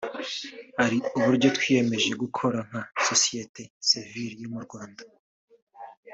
Hari uburyo twiyemeje gukora nka sosiyete sivile yo mu Rwanda